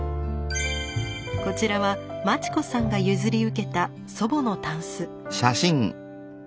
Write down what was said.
こちらは真知子さんが譲り受けた祖母のタンス。